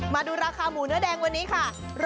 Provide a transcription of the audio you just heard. มาดูราคาหมูเนื้อแดงวันนี้ค่ะ